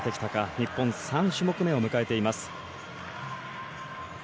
日本、３種目目を迎えています。